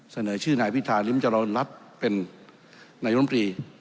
เสนอชื่อหน่ายวิทานลิ้มจรรย์รัตนรัฐเป็นหน่วยลำบรี